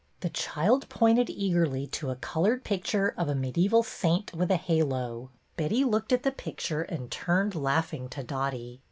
The child pointed eagerly to a colored picture of a medieval saint with a halo. Betty looked at the picture and turned laughing to Dotty.